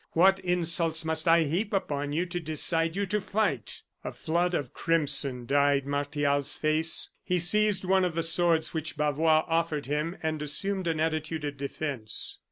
What insults must I heap upon you to decide you to fight?" A flood of crimson dyed Martial's face. He seized one of the swords which Bavois offered him, and assumed an attitude of defence.